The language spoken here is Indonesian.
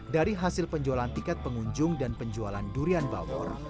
dari hasil penjualan tiket pengunjung dan penjualan durian bawor